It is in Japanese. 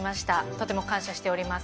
とても感謝しております。